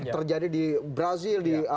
terjadi di brazil di